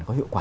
có hiệu quả